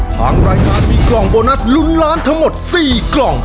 ทางรายการมีกล่องโบนัสลุ้นล้านทั้งหมด๔กล่อง